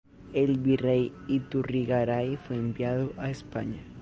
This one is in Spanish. El virrey Iturrigaray fue enviado a España.